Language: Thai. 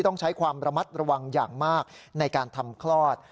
ต้องใช้ความระมัดระวังอย่างมากในการทำคลอด